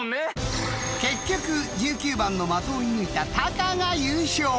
［結局１９番の的を射抜いたタカが優勝！］